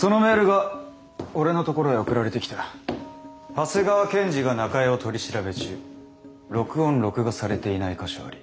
「長谷川検事が中江を取り調べ中録音録画されていない箇所あり。